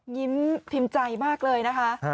ยิ้มพิมพ์ใจมากเลยนะคะ